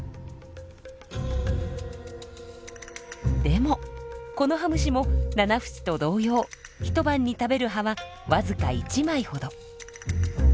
でもコノハムシもナナフシと同様一晩に食べる葉はわずか１枚ほど。